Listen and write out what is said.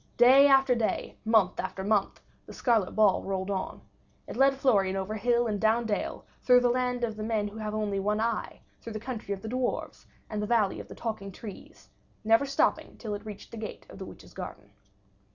Day after day, month after month, the scarlet ball rolled on; it led Florian over hill and down dale, through the land of the men who have only one eye, through the country of the dwarfs, and the valley of the talking trees, never stopping till it reached the gate of the witch's garden.